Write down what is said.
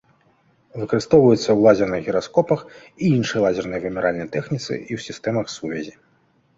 Выкарыстоўваецца ў лазерных гіраскопах і іншай лазернай вымяральнай тэхніцы і ў сістэмах сувязі.